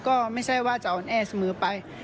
ก็ไม่ใช่ว่าจะอ่อนแอเสมอไป